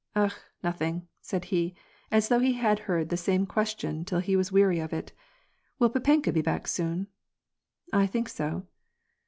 '^ Akh, nothing," said he, as though he had heard the same question till he was weary of it. " Will papenka be back soon ?"" I think so."